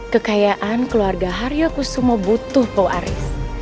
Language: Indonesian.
kekayaan keluarga haria kusumo butuh pau aris